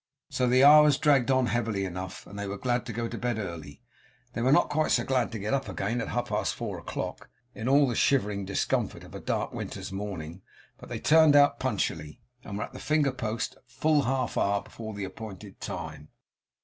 So the hours dragged on heavily enough; and they were glad to go to bed early. They were not quite so glad to get up again at half past four o'clock, in all the shivering discomfort of a dark winter's morning; but they turned out punctually, and were at the finger post full half an hour before the appointed time.